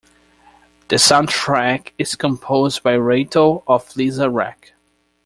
The soundtrack is composed by Raito of Lisa-Rec.